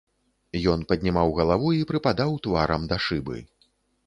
Ён паднімаў галаву і прыпадаў тварам да шыбы.